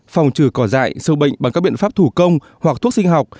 phòng trừ cỏ dại sâu bệnh bằng các biện pháp thủ công hoặc thuốc sinh học